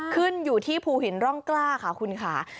ขึ้นอยู่ที่ภูหินร่องกล้าค่ะคุณค่ะ